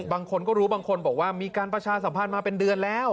บางคนก็รู้บางคนบอกว่ามีการประชาสัมพันธ์มาเป็นเดือนแล้ว